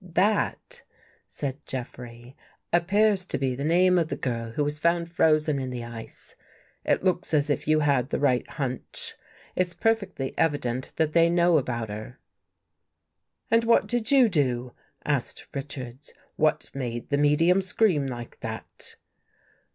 "" That," said Jeffrey, " appears to be the name of the girl who was found frozen in the ice. It looks as if you had the right hunch. It's perfectly evi dent that they know about her."^ " And what did you do ?" asked Richards. "What made the medium scream like that?